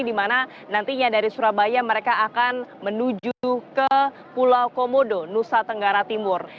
di mana nantinya dari surabaya mereka akan menuju ke pulau komodo nusa tenggara timur